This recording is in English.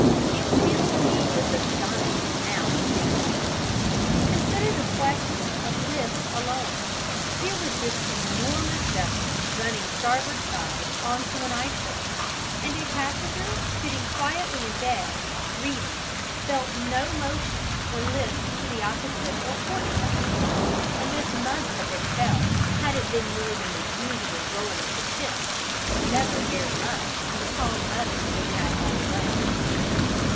It fills me with astonishment now to think of it. Consider the question of list alone. Here was this enormous vessel running starboard side on to an iceberg, and a passenger sitting quietly in bed, reading, felt no motion or list to the opposite or port side, and this must have been felt had it been more than the usual roll of the ship never very much in the calm weather we had all the way.